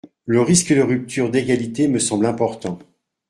Le risque de rupture d’égalité me semble important.